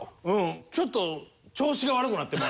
ちょっと調子が悪くなって。